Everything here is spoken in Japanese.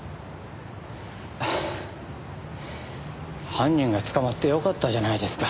犯人が捕まってよかったじゃないですか。